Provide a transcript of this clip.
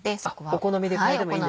お好みで変えてもいいんですね。